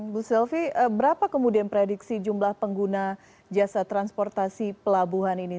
bu sylvi berapa kemudian prediksi jumlah pengguna jasa transportasi pelabuhan ini